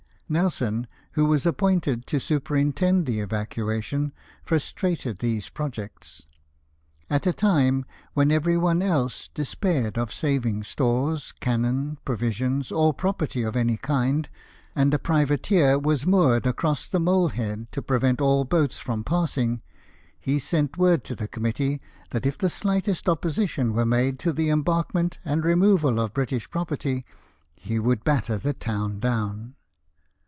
Nelson, who was appointed to superintend the evacuation, frustrated these projects. At a time when every one else de spaired of saving stores, cannon, provisions, or property of any kind, and a privateer was moored across the mole head to prevent all boats from passing, he sent word to the committee, that if the slightest opposition were made to the embarkment and removal of British property he would batter the town down.